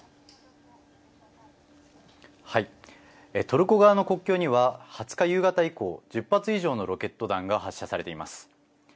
トルコ側の国境には２０日夕方以降、１０発以上のロケット弾が発射されています。